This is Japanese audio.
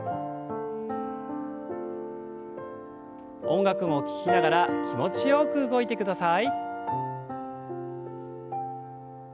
音楽を聞きながら気持ちよく動いてください。